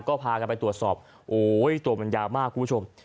ก็พากันไปตรวจสอบโอ้ยตัวมันยาวมากคุณผู้ชม